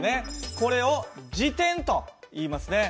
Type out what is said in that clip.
これを自転といいますね。